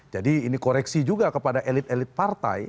jadi ini koreksi juga kepada elit elit partai